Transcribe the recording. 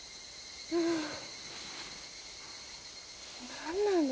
・何なの？